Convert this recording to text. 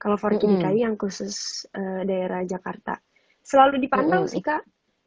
kalau forky dki yang khusus daerah jakarta selalu dipantau sih kang